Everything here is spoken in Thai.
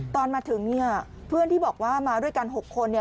ตอนมาถึงเนี่ยเพื่อนที่บอกว่ามาด้วยกัน๖คน